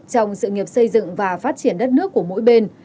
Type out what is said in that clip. trong sự nghiệp xây dựng và phát triển đất nước của mỗi bên